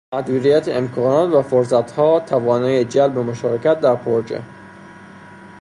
محدودیت امکانات و فرصت ها توانایی جلب مشارکت در پروژه